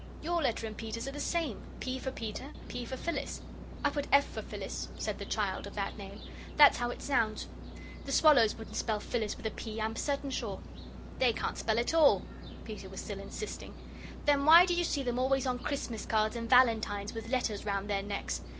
Your letter and Peter's are the same. P. for Peter, P. for Phyllis." "I put F. for Phyllis," said the child of that name. "That's how it sounds. The swallows wouldn't spell Phyllis with a P., I'm certain sure." "They can't spell at all," Peter was still insisting. "Then why do you see them always on Christmas cards and valentines with letters round their necks?